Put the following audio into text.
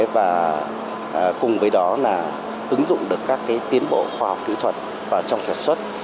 và cùng với đó là ứng dụng được các tiến bộ khoa học kỹ thuật vào trong sản xuất